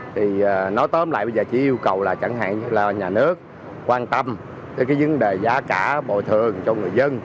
thì nói tóm lại bây giờ chỉ yêu cầu là chẳng hạn là nhà nước quan tâm tới cái vấn đề giá cả bồi thường cho người dân